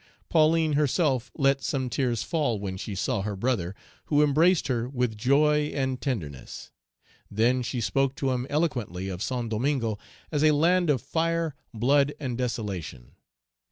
Pauline herself let some tears fall when she saw her brother, who embraced her with joy and tenderness. Then she spoke to him eloquently of Saint Domingo as a land of fire, blood, and desolation.